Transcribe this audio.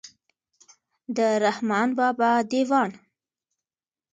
د رحمان بابا دېوان.